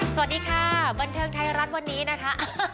สวัสดีค่ะบันเทิงไทยรัฐวันนี้นะคะ